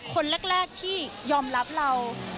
คนแรกที่ยอมรับเรา